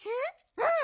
うん！